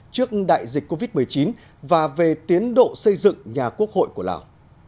trước đại dịch covid một mươi chín và về tiến độ xây dựng nhà quốc hội của lào